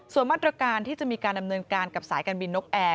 ส่วนมาตรการที่จะมีการดำเนินการกับสายการบินนกแอร์